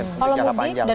oh bukan untuk peluang mudik